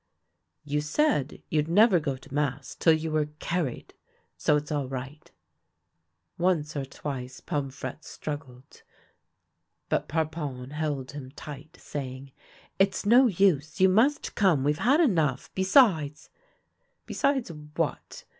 " You said you'd never go to mass till you were car ried ; so it's all right." Once or twice Pomfrette struggled, but Parpon held him tight, saying: " It's no use ; you must come ; we've had enough. Besides "" Besides what